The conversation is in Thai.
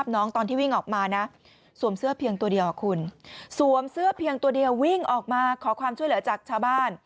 น้องวิ่งออกมาเลยค่ะ